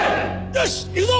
よしいくぞ！